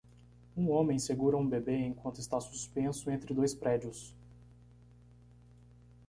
Um homem segura um bebê enquanto está suspenso entre dois prédios.